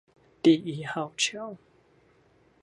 第一號橋